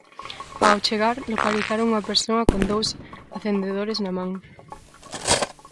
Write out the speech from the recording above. Ao chegar, localizaron unha persoa con dous acendedores na man.